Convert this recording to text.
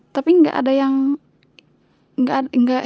tapi gak ada yang